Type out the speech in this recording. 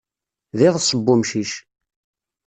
D iḍes n umcic.